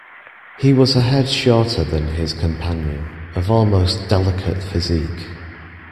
He was a head shorter than his companion, of almost delicate physique.